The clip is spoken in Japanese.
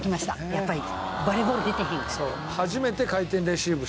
やっぱりバレーボール出てへんから。